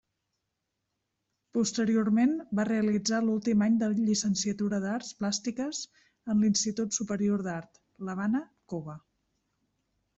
Posteriorment va realitzar l'últim any de llicenciatura d'Arts Plàstiques en l'Institut Superior d'Art, l'Havana, Cuba.